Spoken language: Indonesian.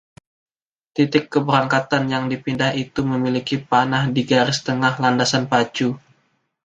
Titik keberangkatan yang dipindah itu memiliki panah di garis tengah landasan pacu.